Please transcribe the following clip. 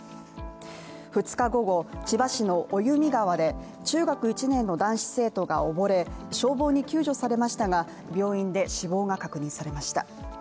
２日午後、千葉市の生実川で、中学１年の男子生徒が溺れ消防に救助されましたが病院で死亡が確認されました。